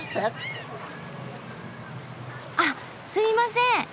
あっすいません！